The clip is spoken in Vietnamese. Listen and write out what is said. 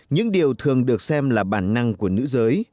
những điều thường được xem là bản năng của nữ giới